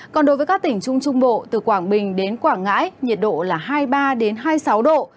còn đối với các tỉnh trung trung bộ từ quảng bình đến quảng ngãi nhiệt độ là hai mươi ba hai mươi sáu độ